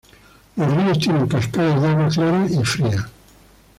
Los ríos tienen cascadas de agua clara y fría.